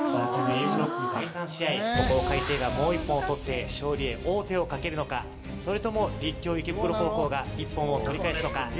ここを開成がもう一本取って勝利へ王手をかけるのかそれとも立教池袋高校が一本を取り返すのか。